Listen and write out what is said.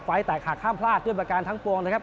แตกหากห้ามพลาดด้วยประการทั้งปวงนะครับ